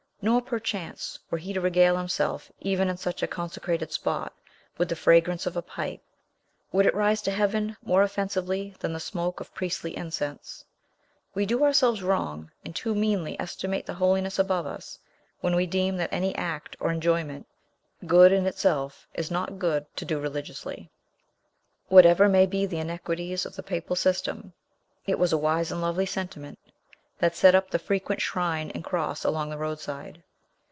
Nor, perchance, were he to regale himself, even in such a consecrated spot, with the fragrance of a pipe, would it rise to heaven more offensively than the smoke of priestly incense. We do ourselves wrong, and too meanly estimate the Holiness above us, when we deem that any act or enjoyment, good in itself, is not good to do religiously. Whatever may be the iniquities of the papal system, it was a wise and lovely sentiment that set up the frequent shrine and cross along the roadside.